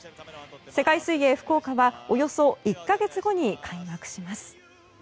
世界水泳福岡はおよそ１か月後に開幕します。